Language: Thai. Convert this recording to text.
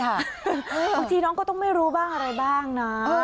บางทีน้องก็ต้องไม่รู้บ้างอะไรบ้างนะ